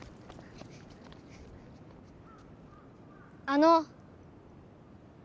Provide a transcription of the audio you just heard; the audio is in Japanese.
あの。